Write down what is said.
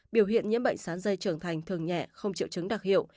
biểu hiện nhiễm bệnh sán dây trưởng thành thường nhẹ không triệu chứng đặc hiệu